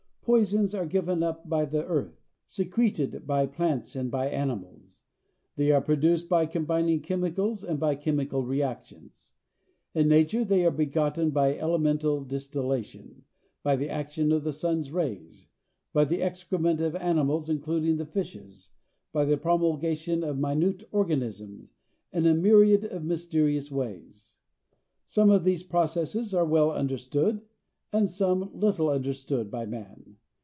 Poisons are given up by the earth, secreted by plants and by animals. They are produced by combining chemicals and by chemical reactions. In nature they are begotten by elemental distillation, by the action of the sun's rays, by the excrement of animals including the fishes, by the promulgation of minute organisms, and in a myriad of mysterious ways. Some of these processes are well understood and some little understood by man.